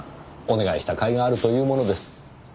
お願いしたかいがあるというものです。